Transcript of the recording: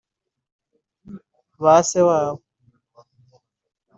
ba se wabo